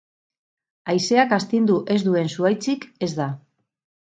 Haizeak astindu ez duen zuhaitzik ez da